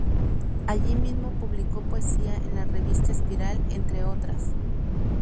Allí mismo publicó poesía en la revista "Espiral", entre otras.